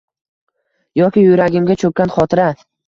Yoki yuragimga choʼkkan xotira –